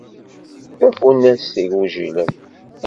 Tafunast igujilen.